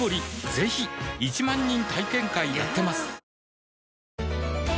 ぜひ１万人体験会やってますはぁ。